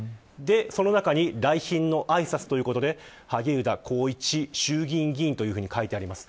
その中に来賓のあいさつということで萩生田光一衆議院議員と書いてあります。